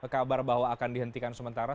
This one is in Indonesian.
kabar bahwa akan dihentikan sementara